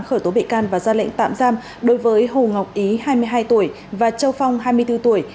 khởi tố bị can và ra lệnh tạm giam đối với hồ ngọc ý hai mươi hai tuổi và châu phong hai mươi bốn tuổi